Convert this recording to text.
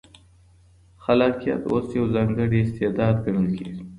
خلاقیت اوس یو ځانګړی استعداد ګڼل کېږي.